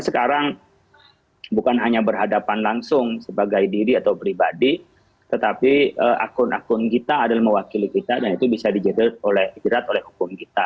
sekarang bukan hanya berhadapan langsung sebagai diri atau pribadi tetapi akun akun kita adalah mewakili kita dan itu bisa dijerat oleh jerat oleh hukum kita